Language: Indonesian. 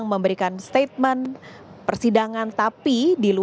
gambar yang anda saksikan saat ini adalah